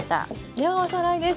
ではおさらいです。